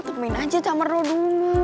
tungguin aja camar lo dulu